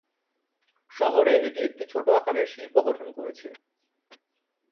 শহরে এটি একটি ছোট আকারের শিল্প গঠন করেছে।